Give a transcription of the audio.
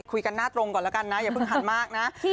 คุยกันหน้าตรงก่อนแล้วกันนะอย่าเพิ่งหันมากนะ